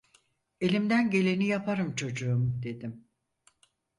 Elimden geleni yaparım çocuğum! dedim.